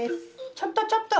ちょっとちょっと！